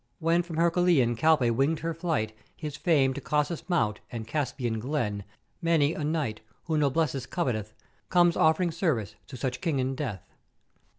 When from Hercùlean Calpè winged her flight his fame to Caucasus Mount and Caspian glen, many a knight, who noblesse coveteth, comes offering service to such King and Death.